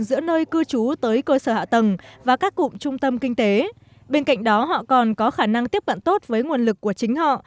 giữa nơi cư trú tới cơ sở hạ tầng và các cụm trung tâm kinh tế bên cạnh đó họ còn có khả năng tiếp cận tốt với nguồn lực của chính họ